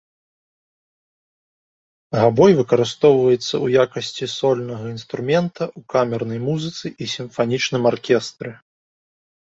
Габой выкарыстоўваецца ў якасці сольнага інструмента, у камернай музыцы і сімфанічным аркестры.